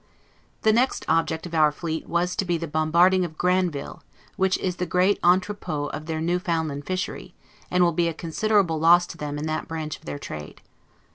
The next object of our fleet was to be the bombarding of Granville, which is the great 'entrepot' of their Newfoundland fishery, and will be a considerable loss to them in that branch of their trade.